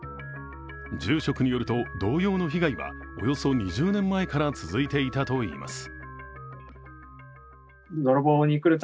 住職によると同様の被害はおよそ２０年前から続いていたといいます。